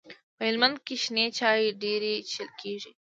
په هلمند کي شنې چاي ډيري چیښل کیږي.